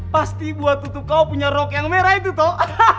pasti buat tutup kau punya rok yang merah itu toh